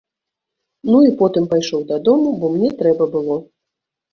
Ну і потым пайшоў дадому, бо мне трэба было.